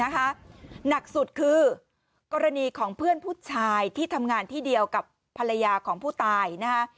หนักสุดคือกรณีของเพื่อนผู้ชายที่ทำงานที่เดียวกับภรรยาของผู้ตายนะคะ